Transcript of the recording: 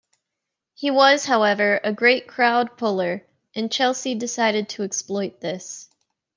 He was, however, a great crowd puller, and Chelsea decided to exploit this.